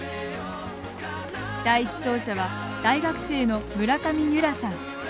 第１走者は大学生の村上優空さん。